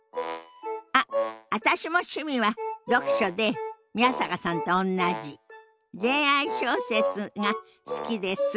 あっ私も趣味は読書で宮坂さんとおんなじ恋愛小説が好きです。